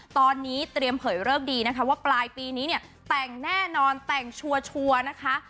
ตอนนี้เตรียมเผยเลิกดีนะคะว่าปลายปีนี้เนี่ยแต่งแน่นอนแต่งชัวร์นะคะ